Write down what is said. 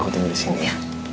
aku tinggal disini